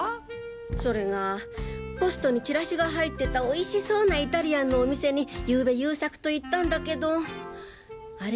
それがポストにチラシが入ってた美味しそうなイタリアンのお店にゆうべ優作と行ったんだけどあれ